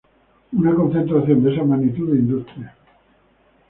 una concentración de esa magnitud de industrias